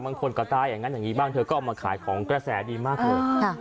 บางคนก็ตายอย่างนั้นอย่างนี้บ้างเธอก็เอามาขายของกระแสดีมากเลย